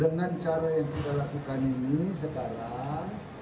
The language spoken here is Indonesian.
dengan cara yang kita lakukan ini sekarang